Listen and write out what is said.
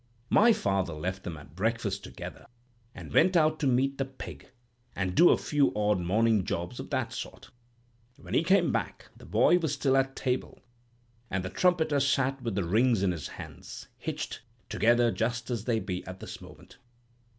My father left them at breakfast together, and went out to meat the pig, and do a few odd morning jobs of that sort. When he came back, the boy was still at table, and the trumpeter sat with the rings in his hands, hitched, together just as they be at this moment.